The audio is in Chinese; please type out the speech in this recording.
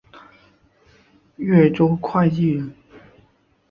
越州会稽人。